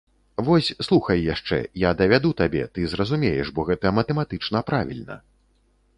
Вось слухай яшчэ, я давяду табе, ты зразумееш, бо гэта матэматычна правільна.